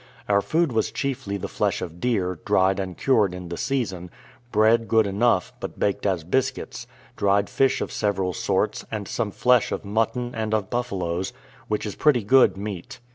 Our food was chiefly the flesh of deer, dried and cured in the season; bread good enough, but baked as biscuits; dried fish of several sorts, and some flesh of mutton, and of buffaloes, which is pretty good meat.